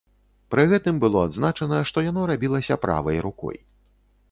Пры гэтым было адзначана, што яно рабілася правай рукой.